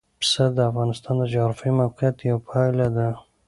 پسه د افغانستان د جغرافیایي موقیعت یوه پایله ده.